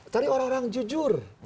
cari orang orang jujur